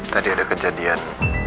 tadi ada kejadian